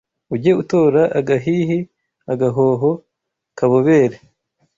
Ujye utora agahihi Agahogo kabobere